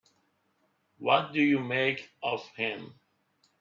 What do you make of him?